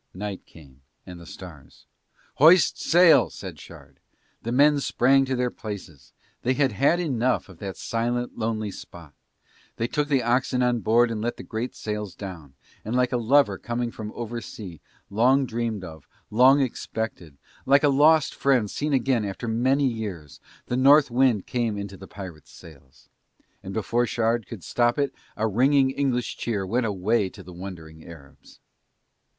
Night came and the stars. "Hoist sail," said Shard. The men sprang to their places, they had had enough of that silent lonely spot. They took the oxen on board and let the great sails down, and like a lover coming from over sea, long dreamed of, long expected, like a lost friend seen again after many years, the North wind came into the pirates' sails. And before Shard could stop it a ringing English cheer went away to the wondering Arabs.